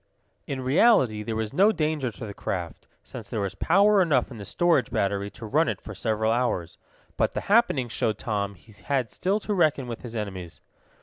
In reality there was no danger to the craft, since there was power enough in the storage battery to run it for several hours. But the happening showed Tom he had still to reckon with his enemies.